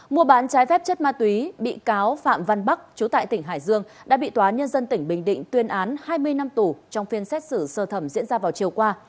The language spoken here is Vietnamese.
mua bán trái phép chất ma túy bị cáo phạm văn bắc chú tại tỉnh hải dương đã bị tòa nhân dân tỉnh bình định tuyên án hai mươi năm tù trong phiên xét xử sơ thẩm diễn ra vào chiều qua